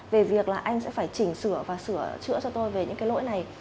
về việc là anh sẽ phải chỉnh sửa và sửa chữa cho tôi về những cái lỗi này